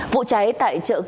vụ cháy tại chợ kỳ vĩnh duy